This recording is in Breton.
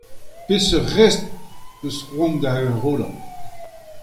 Peseurt restr hocʼh eus cʼhoant da enrollañ ?